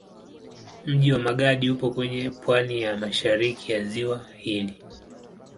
Mji wa Magadi upo kwenye pwani ya mashariki ya ziwa hili.